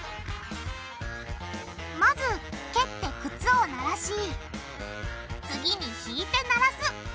まず蹴って靴を鳴らし次に引いて鳴らす。